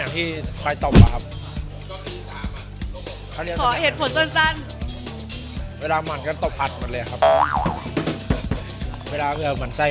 ยิมจะเลือกตำแหน่งอะไร